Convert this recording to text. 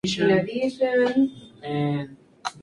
Éste es el principal signo de los afectados por esta enfermedad.